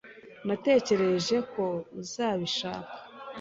Natekereje ko uzabishaka.